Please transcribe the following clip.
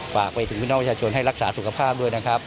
ฝากไปถึงพี่น้องประชาชนให้รักษาสุขภาพด้วยนะครับ